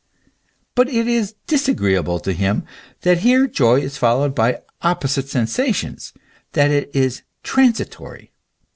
but it is disagreeable to him, that here joy is followed by opposite sensations, that it is transitory.